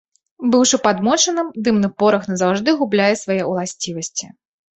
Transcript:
Быўшы падмочаным, дымны порах назаўжды губляе свае ўласцівасці.